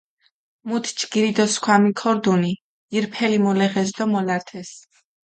მუთ ჯგირი დო სქვამი ქორდუნი ირფელი მოლეღეს დო მოლართეს.